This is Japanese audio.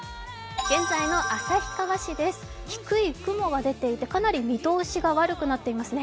現在の旭川市です、低い雲が出ていてかなり見通しが悪くなっていますね。